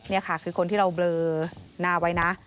นี่ค่ะคือคนที่เราเบลอหน้าไว้นะ